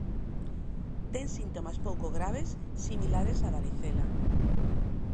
Ten síntomas pouco graves, similares á varicela.